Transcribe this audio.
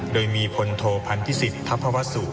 โดยมีพลโทพันธิสิทธภวสุ